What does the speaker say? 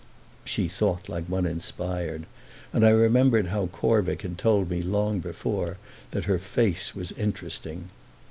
She thought like one inspired, and I remembered how Corvick had told me long before that her face was interesting.